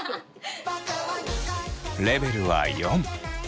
レベルは４。